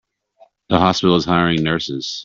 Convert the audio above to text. The hospital is hiring nurses.